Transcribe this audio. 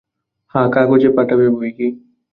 হাঁ, কাগজে পাঠাবে বৈকি!